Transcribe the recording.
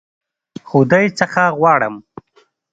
خدای څخه غواړم.